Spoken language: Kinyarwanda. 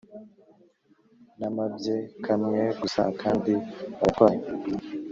namabye kamwe gusa akandi bagatwaye